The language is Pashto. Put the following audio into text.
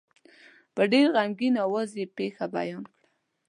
په ډېر غمګین آواز یې پېښه بیان کړه.